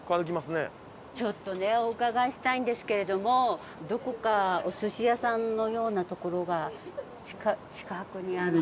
ちょっとねお伺いしたいんですけれどもどこかお寿司屋さんのような所が近くにある。